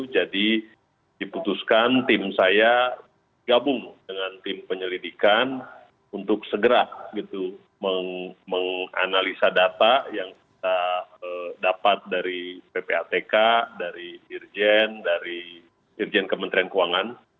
jadi diputuskan tim saya gabung dengan tim penyelidikan untuk segera gitu menganalisa data yang kita dapat dari ppatk dari dirjen dari dirjen kementerian keuangan